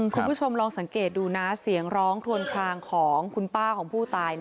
คุณผู้ชมลองสังเกตดูนะเสียงร้องคลวนคลางของคุณป้าของผู้ตาย